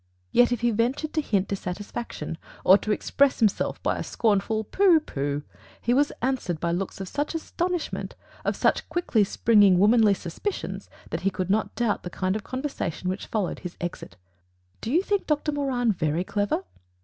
Yet if he ventured to hint dissatisfaction, or to express himself by a scornful "Pooh! Pooh!" he was answered by looks of such astonishment, of such quick springing womanly suspicions, that he could not doubt the kind of conversation which followed his exit: "Do you think Doctor Moran VERY clever?"